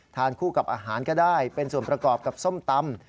คู่กับอาหารก็ได้เป็นส่วนประกอบกับส้มตำ